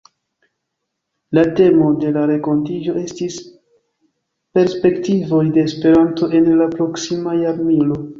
La temo de la renkontiĝo estis “Perspektivoj de Esperanto en la Proksima Jarmilo”.